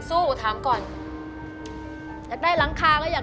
สู้หรือหยุดครับ